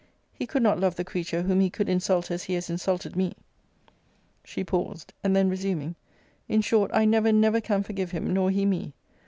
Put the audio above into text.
He could not love the creature whom he could insult as he has insulted me! She paused. And then resuming in short, I never, never can forgive him, nor he me.